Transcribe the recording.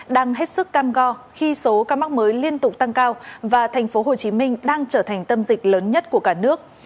đang hết sức cam go khi số ca mắc mới liên tục tăng cao và thành phố hồ chí minh đang trở thành tâm dịch lớn nhất của cả nước